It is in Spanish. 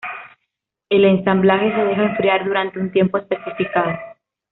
El ensamblaje se deja enfriar durante un tiempo especificado.